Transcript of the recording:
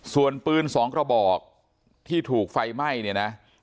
ส่วนปืน๒กระบอกที่ถูกไฟไหม้เนี่ยนะ